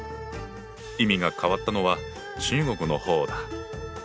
意味が変わったのは中国の方だ。